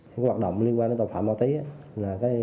hoạt động liên quan đến tàu phạm ma túy